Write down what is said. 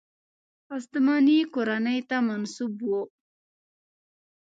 هستمنې کورنۍ ته منسوب وو.